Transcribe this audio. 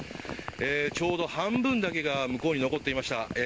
ちょうど半分だけが向こうに残っていました。